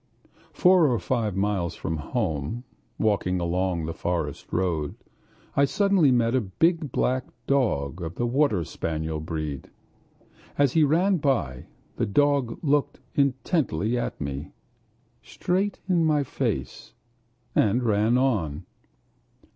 Four or five miles from home, walking along the forest road, I suddenly met a big black dog of the water spaniel breed. As he ran by, the dog looked intently at me, straight in my face, and ran on.